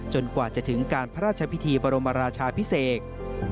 กว่าจะถึงการพระราชพิธีบรมราชาพิเศษ